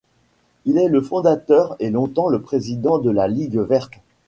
Il est le fondateur et longtemps le président de la Ligue verte.